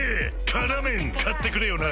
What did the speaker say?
「辛麺」買ってくれよな！